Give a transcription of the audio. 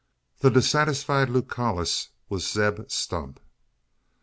The dissatisfied Lucullus was Zeb Stump.